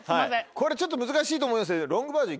これちょっと難しいと思いますので。